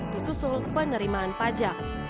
disusul penerimaan pajak